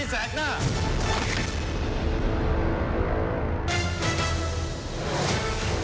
ชูวิตตีแสกหน้า